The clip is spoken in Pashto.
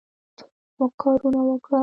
موږ کارونه وکړل